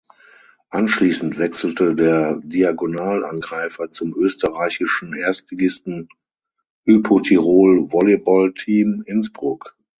Anschließend wechselte der Diagonalangreifer zum österreichischen Erstligisten Hypo Tirol Volleyballteam Innsbruck.